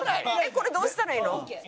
これどうしたらいいの？